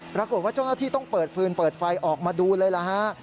ปรากฏว่าเจ้าหน้าที่ต้องเปิดฟืนเปิดไฟออกมาดูเลยล่ะฮะ